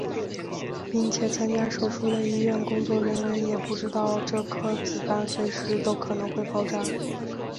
并且参加手术的医院工作人员也不知道这颗子弹随时都可能会爆炸。